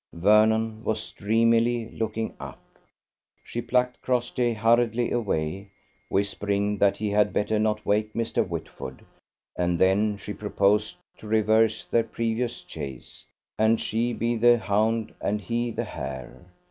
Vernon was dreamily looking up. She plucked Crossjay hurriedly away, whispering that he had better not wake Mr. Whitford, and then she proposed to reverse their previous chase, and she be the hound and he the hare.